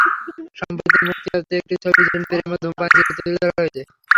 সম্প্রতি মুক্তিপাপ্ত একটি ছবি জটিল প্রেম-এ ধূমপানের চিত্র তুলে ধরা হয়েছে।